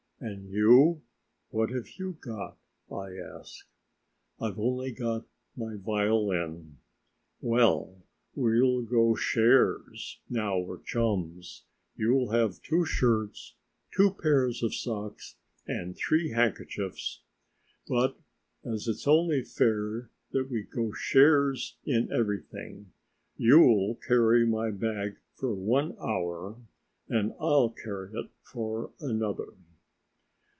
"And you, what have you got?" I asked. "I've only got my violin." "Well, we'll go shares, now we're chums; you'll have two shirts, two pairs of socks, and three handkerchiefs, but as it's only fair that we go shares in everything, you'll carry my bag for one hour and I'll carry it for another."